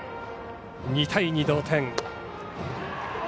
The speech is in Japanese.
２対２の同点。